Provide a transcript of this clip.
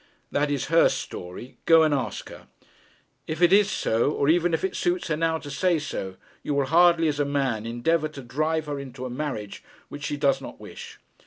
'That is her story. Go and ask her. If it is so, or even if it suits her now to say so, you will hardly, as a man, endeavour to drive her into a marriage which she does not wish.